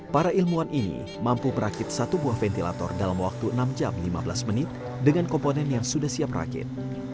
para ilmuwan ini mampu merakit satu buah ventilator dalam waktu enam jam lima belas menit dengan komponen yang sudah siap rakit